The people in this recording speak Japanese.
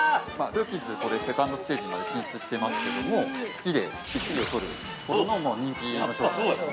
ルーキーズ、これセカンドステージにまで進出してますけども月で１位を取るほどの人気の商品です。